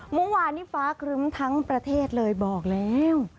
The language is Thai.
เมื่อวานนี้ฟ้าครึ้มทั้งประเทศเลยบอกแล้ว